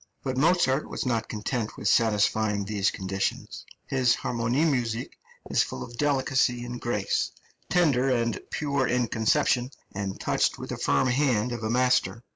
But Mozart was not content with satisfying these conditions; his harmonie musik is full of delicacy and grace, tender and pure in conception, and touched with the firm hand of a master.